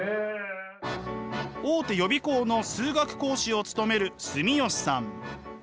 大手予備校の数学講師を務める住吉さん。